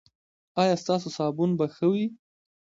ایا ستاسو صابون به ښه وي؟